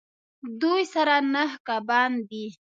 دوی سره نهه کبان دي